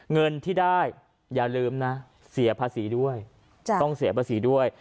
เงินที่ได้อย่าลืมนะเสียภาษีด้วยต้องเสียภาษีด้วย